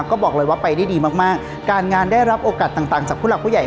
ก็บอกเลยว่าไปได้ดีมากการงานได้รับโอกาสต่างจากผู้หลักผู้ใหญ่